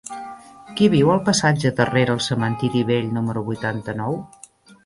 Qui viu al passatge de Rere el Cementiri Vell número vuitanta-nou?